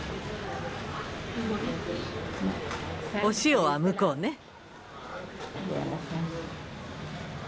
お塩は向こうね。